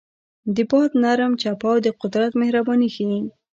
د باد نرم چپاو د قدرت مهرباني ښيي.